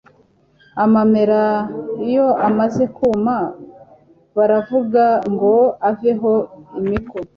amamera iyo amaze kuma, baravunga ngo aveho imiko